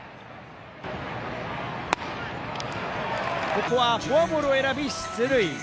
ここはフォアボールを選び出塁。